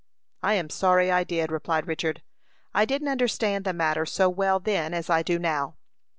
"I am sorry I did," replied Richard. "I didn't understand the matter so well then as I do now.